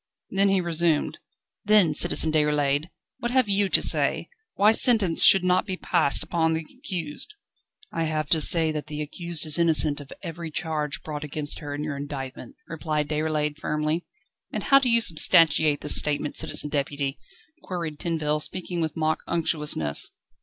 Then he resumed: "Then, Citizen Déroulède, what have you to say, why sentence should not be passed upon the accused?" "I have to say that the accused is innocent of every charge brought against her in your indictment," replied Déroulède firmly. "And how do you substantiate this statement, Citizen Deputy?" queried Tinville, speaking with mock unctuousness.